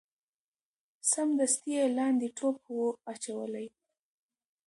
سمدستي یې لاندي ټوپ وو اچولی